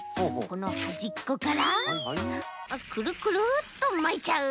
このはじっこからクルクルっとまいちゃう。